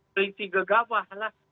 polisi gegawah lah